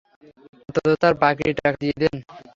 অন্তত তার বাকীর টাকা দিয়ে দেন।